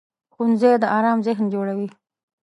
ښوونځی د ارام ذهن جوړوي